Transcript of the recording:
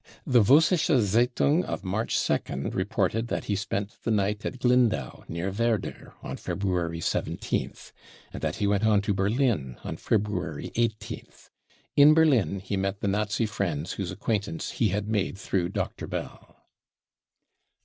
The Vossische geitung of March 2nd reported that he spent the night at Glindow, near Werder, on February 1 yth ; and that he went on to Berlin on February 18th. In Berlin he met the Nazi friends whose acquaintance he had made through Dr. Bell.